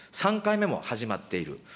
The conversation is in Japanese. ３回目も始まっている。